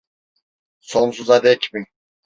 Sonsuza dek mi?